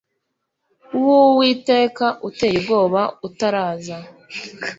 w uwiteka uteye ubwoba utaraza